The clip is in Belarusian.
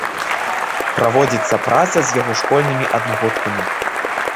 Праводзіцца праца з яго школьнымі аднагодкамі.